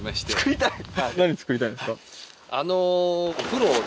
何作りたいんですか？